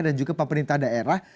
dan juga pemerintah daerah